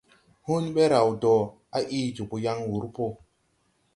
Hun ɓɛ raw do, a ii jobo yaŋ wur p.